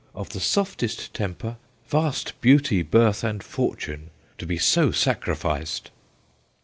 of the softest temper, vast beauty, birth, and fortune ! to be so sacrificed